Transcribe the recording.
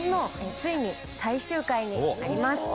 ついに最終回になります。